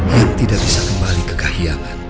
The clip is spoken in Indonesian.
yang tidak bisa kembali ke kahiyangan